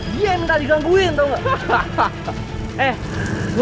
dia yang minta digangguin tau nggak